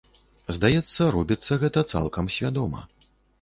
Здаецца, робіцца гэта цалкам свядома.